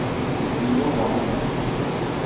Ni inyo mwadumwa?